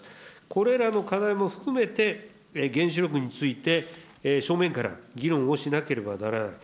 これらの課題も含めて、原子力について正面から議論をしなければならない。